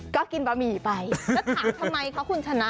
ก็กินบะหมี่ไปแล้วถามทำไมคะคุณชนะ